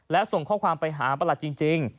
และส่งข้อความไปหาประหลัดจริง